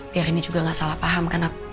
biar ini juga gak salah paham